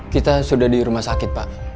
kita sudah di rumah sakit pak